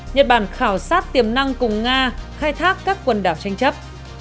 nhật bản khảo sát tiềm năng cùng nga khai thác các quần đảo tranh chấp